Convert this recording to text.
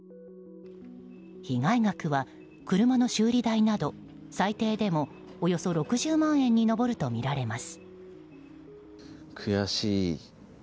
被害額は、車の修理代など最低でもおよそ６０万円に上るとみられます。